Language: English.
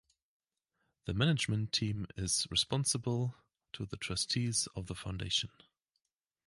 The management team is "responsible to the Trustees of the Foundation".